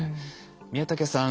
宮竹さん